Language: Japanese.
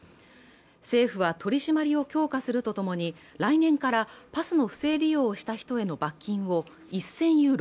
政府は取り締まりを強化するとともに来年からパスの不正利用した人への罰金を１０００ユーロ